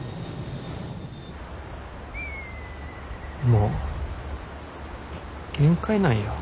もう限界なんよ。